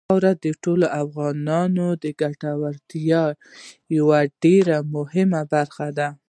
خاوره د ټولو افغانانو د ګټورتیا یوه ډېره مهمه برخه ده.